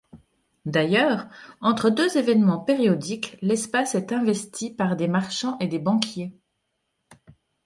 D'ailleurs, entre deux évènements périodiques, l'espace est investi par des marchands et des banquiers.